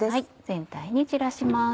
全体に散らします。